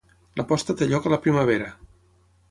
La posta té lloc a la primavera.